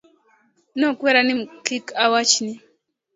Nokwera ni kik awach ni.